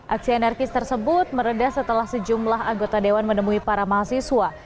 aksi anarkis tersebut meredah setelah sejumlah anggota dewan menemui para mahasiswa